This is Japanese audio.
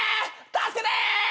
助けて！